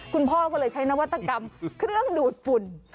คุณพ่อก็เลยใช้นวัตกรรมเครื่องดูดฝุ่น